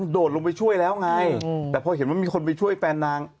โดดลงไปช่วยแล้วไงแต่พอเห็นมันมีคนกับแฟนนาง